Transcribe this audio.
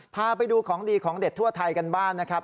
พาไปดูของดีของเด็ดทั่วไทยกันบ้างนะครับ